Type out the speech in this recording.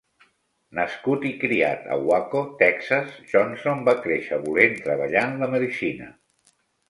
Nascut i criat a Waco, Texas, Johnson va créixer volent treballar en la medicina.